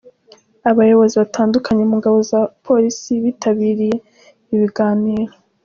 Abayobozi batandukanye mu ngabo na polisi bitabiriye ibi biganiro.